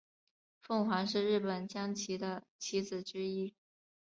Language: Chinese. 凤凰是日本将棋的棋子之一。